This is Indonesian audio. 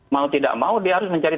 mau tidak mau dia harus mencari